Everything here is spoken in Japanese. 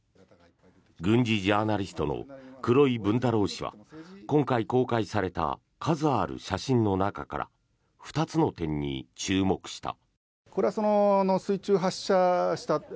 軍事ジャーナリストの黒井文太郎氏は今回、公開された数ある写真の中から２つの点に注目した。